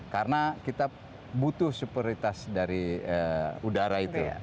karena kita butuh supriritas dari udara itu